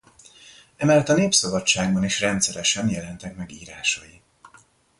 Emellett a Népszabadságban is rendszeresen jelentek meg írásai.